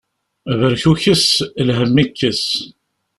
Berkukes, lhemm ikkes.